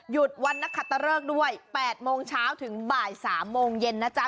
หยุดวันนักขัตตะเริกด้วย๘โมงเช้าถึงบ่าย๓โมงเย็นนะจ๊ะ